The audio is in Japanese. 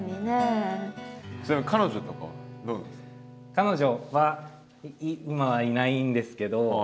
彼女は今はいないんですけど。